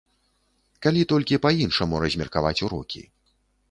Калі толькі па-іншаму размеркаваць урокі.